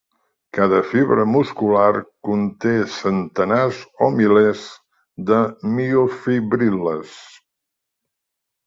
Cada fibra muscular conté centenars o milers de miofibril·les.